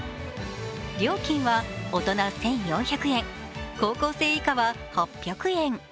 料金は大人１４００円、高校生以下は８００円。